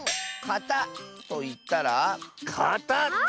「かた」といったら。